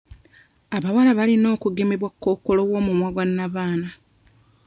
Abawala balina okugemebwa kkookolo w'omumwa gwa nnabaana.